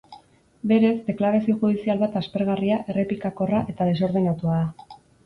Berez, deklarazio judizial bat aspergarria, errepikakorra eta desordenatua da.